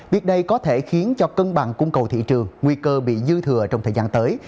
việc đây có thể khiến cho cân bằng cung cầu thị trường nguy cơ bị dư thừa trong thời gian tới